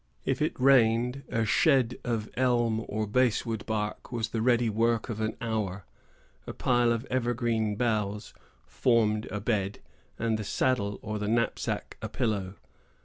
If it rained, a shed of elm or basswood bark was the ready work of an hour, a pile of evergreen boughs formed a bed, and the saddle or the knapsack a pillow.